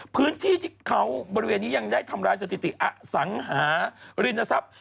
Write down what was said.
พื้นที่ที่เขาบริเวณนี้ยังได้ทำลายสถิติอสังหารินทรัพย์